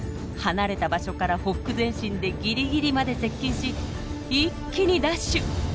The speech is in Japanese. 離れた場所からほふく前進でギリギリまで接近し一気にダッシュ！